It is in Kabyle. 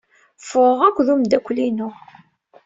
Ffɣeɣ akked umeddakel-inu.